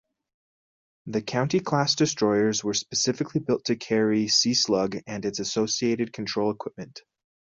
The County-class destroyers were specifically built to carry Seaslug and its associated control equipment.